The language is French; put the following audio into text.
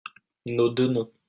Nos deux noms.